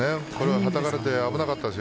はたかれて危なかったですよ